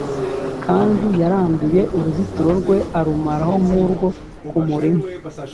Kandi yaranduye uruzitiro rwe, Arumaraho nk’urwo ku murima,